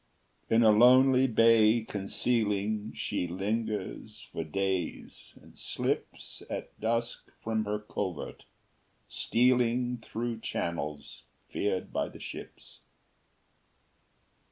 In a lonely bay concealing She lingers for days, and slips At dusk from her covert, stealing Thro' channels feared by the ships.